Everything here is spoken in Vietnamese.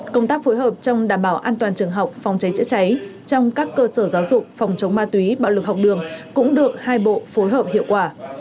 công tác phối hợp trong đảm bảo an toàn trường học phòng cháy chữa cháy trong các cơ sở giáo dục phòng chống ma túy bạo lực học đường cũng được hai bộ phối hợp hiệu quả